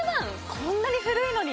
こんなに古いのに？